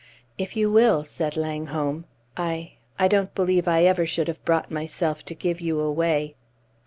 "If you will," said Langholm. "I I don't believe I ever should have brought myself to give you away!"